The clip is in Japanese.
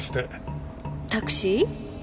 タクシー？